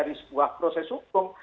dari sebuah proses hukum